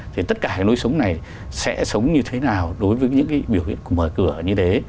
thì tất cả cái lối sống này sẽ sống như thế nào đối với những cái biểu hiện của mở cửa như thế